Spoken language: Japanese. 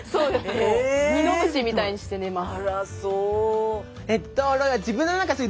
もうミノムシみたいにして寝ます。